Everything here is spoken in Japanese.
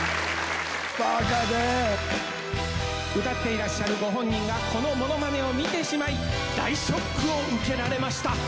歌っていらっしゃるご本人がこのものまねを見てしまい大ショックを受けられました。